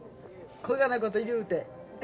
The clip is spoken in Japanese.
こがなこと言うて。